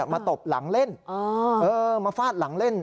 ตบหลังเล่นมาฟาดหลังเล่น